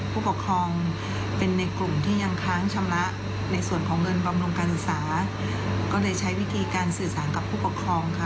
ผู้ปกครองเป็นในกลุ่มที่ยังค้างชำระในส่วนของเงินบำรุงการศึกษาก็เลยใช้วิธีการสื่อสารกับผู้ปกครองค่ะ